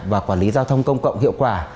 và quản lý giao thông công cộng hiệu quả